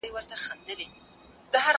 زه به سبا ښوونځی ځم